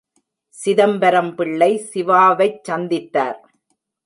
சிதம்பரம் பிள்ளை சிவாவைச் சந்தித்தார்.